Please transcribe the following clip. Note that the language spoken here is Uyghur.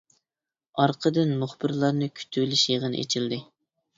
ئارقىدىن مۇخبىرلارنى كۈتۈۋېلىش يىغىنى ئېچىلدى .